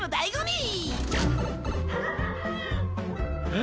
え？